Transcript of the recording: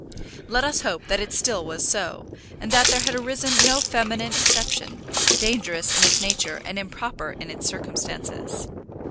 Let us hope that it still was so, and that there had arisen no feminine exception, dangerous in its nature and improper in its circumstances.